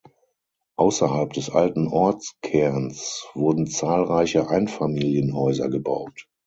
Außerhalb des alten Ortskerns wurden zahlreiche Einfamilienhäuser gebaut.